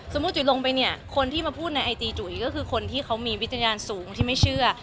จุ๋ยลงไปเนี่ยคนที่มาพูดในไอจีจุ๋ยก็คือคนที่เขามีวิจารณ์สูงที่ไม่เชื่อ